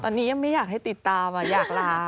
ตอนนี้ยังไม่อยากให้ติดตามอยากลา